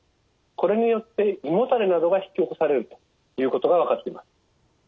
これによって胃もたれなどが引き起こされるということが分かっています。